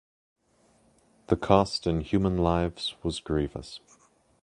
The cost in human lives was grievous.